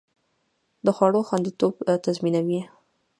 د خوړو خوندیتوب تضمینوي.